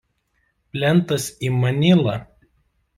Plentas į Manilą.